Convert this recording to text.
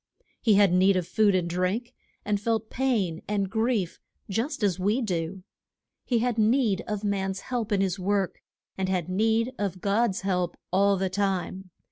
He had need of food and drink, and felt pain and grief just as we do. He had need of man's help in his work; and had need of God's help all the time.